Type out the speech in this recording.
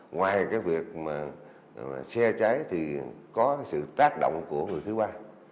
ngoài cái việc mà xe cháy thì có sự tác động của người thứ ba